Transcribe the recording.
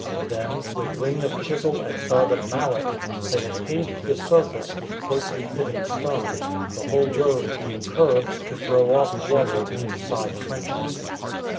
Then, with ring of chisel and thud of mallet, they had paved the surface with closely fitting stone, the whole road being curved to throw off water into side trenches.